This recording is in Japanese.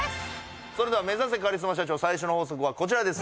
それでは「目指せカリスマ社長」最初の法則はこちらです